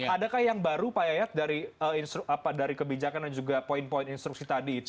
adakah yang baru pak yayat dari kebijakan dan juga poin poin instruksi tadi itu